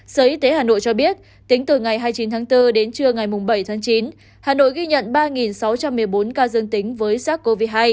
sở y tế hà nội cho biết tính từ ngày hai mươi chín tháng bốn đến trưa ngày bảy tháng chín hà nội ghi nhận ba sáu trăm một mươi bốn ca dương tính với sars cov hai